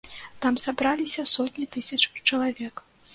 Там сабраліся сотні тысяч чалавек.